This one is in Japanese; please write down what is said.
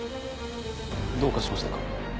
どうかしましたか？